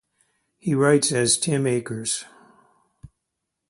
He writes as Tim Akers.